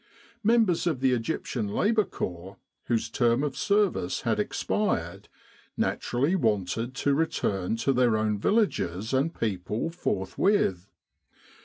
Members of the Egyptian Labour Corps whose term of service had expired, naturally wanted to return to their own villages and people forthwith.